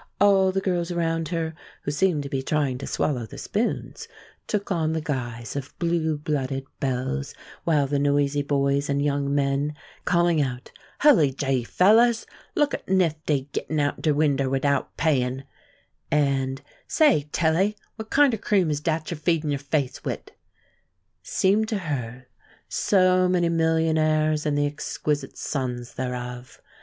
All the girls around her, who seemed to be trying to swallow the spoons, took on the guise of blue blooded belles, while the noisy boys and young men (calling out, "Hully gee, fellers! look at Nifty gittin' out der winder widout payin'!" and, "Say, Tilly, what kind er cream is dat you're feedin' your face wid?") seemed to her so many millionaires and the exquisite sons thereof.